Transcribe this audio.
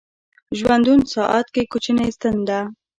ژوندون ساعت کې کوچنۍ ستن ده